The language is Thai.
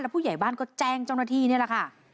ผู้ใหญ่บ้านก็แจ้งเจ้าหน้าที่นี่แหละค่ะ